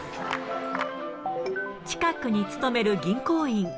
近くに勤める銀行員。